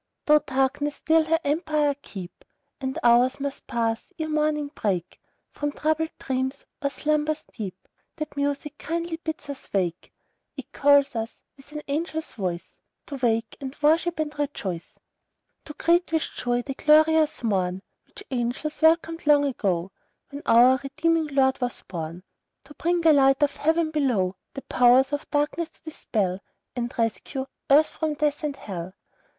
Though Darkness still her empire keep, And hours must pass, ere morning break; From troubled dreams, or slumbers deep, That music KINDLY bids us wake: It calls us, with an angel's voice, To wake, and worship, and rejoice; To greet with joy the glorious morn, Which angels welcomed long ago, When our redeeming Lord was born, To bring the light of Heaven below; The Powers of Darkness to dispel, And rescue Earth from Death and Hell.